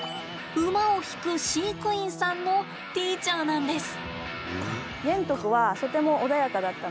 馬を引く飼育員さんのティーチャーなんです。